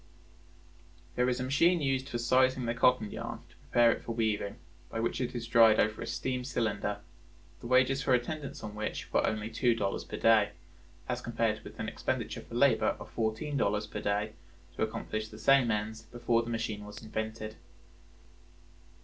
There is a machine used for sizing the cotton yarn to prepare it for weaving, by which it is dried over a steam cylinder, the wages for attendance on which were only two dollars per day, as compared with an expenditure for labor of fourteen dollars per day to accomplish the same ends before the machine was invented.